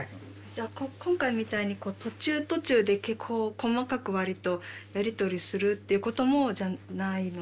じゃあ今回みたいに途中途中でこう細かくわりとやり取りするっていうこともないので。